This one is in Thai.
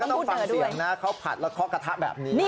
ต้องฟังเสียงนะเขาผัดแล้วเคาะกระทะแบบนี้